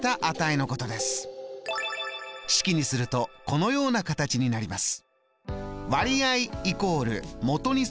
式にするとこのような形になります。